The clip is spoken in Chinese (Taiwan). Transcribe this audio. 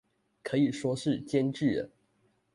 可以說是兼具了